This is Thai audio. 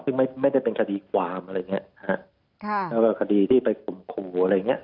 ซึ่งไม่ไม่ได้เป็นคดีความอะไรอย่างเงี้ยฮะค่ะแล้วก็คดีที่ไปข่มขู่อะไรอย่างเงี้